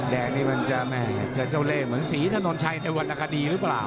แดงนี่มันจะเจาะเล่นเหมือนสีทรนชัยในวันอากาศดีหรือเปล่า